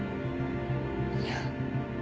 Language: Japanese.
いや。